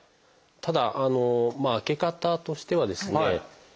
ただ開け方としてはですね